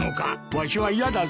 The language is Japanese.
わしは嫌だぞ。